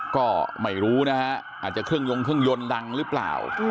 ก็ไม่รู้นะฮะอาจจะเครื่องยงเครื่องยนต์ดังหรือเปล่า